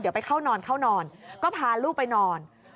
เดี๋ยวไปเข้านอนเข้านอนก็พาลูกไปนอน